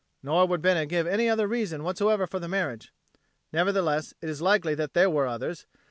Nor would Bena give any other reason whatsoever for the marriage. Nevertheless it is likely that there were others.